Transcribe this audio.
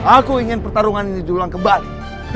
aku ingin pertarungan ini diulang kembali